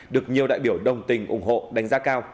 được nhiều đại biểu đồng tình ủng hộ đánh giá cao